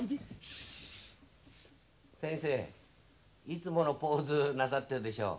いつものポーズなさってるでしょう。